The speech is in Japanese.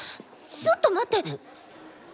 ちょっと待って。